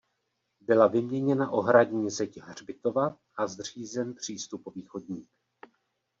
Byla vyměněna ohradní zeď hřbitova a zřízen přístupový chodník.